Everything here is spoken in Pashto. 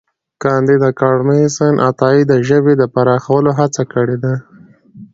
کانديد اکاډميسن عطايي د ژبې د پراخولو هڅه کړې ده.